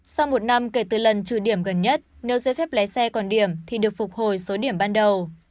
sau một năm kể từ lần trừ điểm gần nhất nếu giấy phép lái xe còn điểm thì được phục hồi số điểm ban đầu